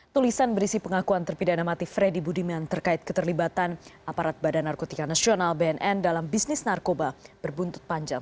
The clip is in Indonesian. tulisan berisi pengakuan terpidana mati freddy budiman terkait keterlibatan aparat badan narkotika nasional bnn dalam bisnis narkoba berbuntut panjang